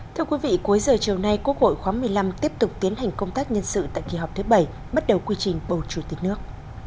thưa quý vị cuối giờ chiều nay quốc hội khóa một mươi năm tiếp tục tiến hành công tác nhân sự tại kỳ họp thứ bảy bắt đầu quy trình bầu chủ tịch nước